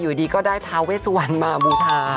อยู่ดีก็ได้ทาเวสวันมาบูชา